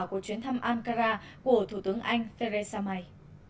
của chuyến thăm ankara của thủ tướng anh theresa may